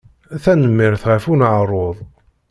Tanemmirt ɣef uneɛruḍ.